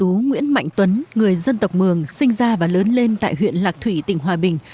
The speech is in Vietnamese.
nghệ nhân ưu tú nguyễn mạnh tuấn người dân tộc mường sinh ra và lớn lên tại huyện lạc thủy tỉnh hòa bình